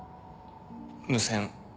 無線。